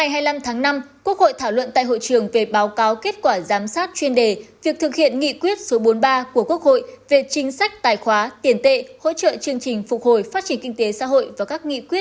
hãy đăng ký kênh để ủng hộ kênh của chúng mình nhé